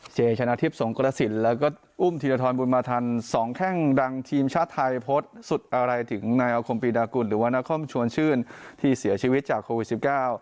ชนะทิพย์สงกรสินแล้วก็อุ้มธีรทรบุญมาทันสองแข้งดังทีมชาติไทยโพสต์สุดอะไรถึงนายอาคมปีดากุลหรือว่านครชวนชื่นที่เสียชีวิตจากโควิดสิบเก้า